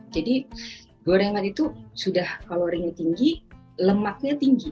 jadi gorengan itu sudah kalorinya tinggi lemaknya tinggi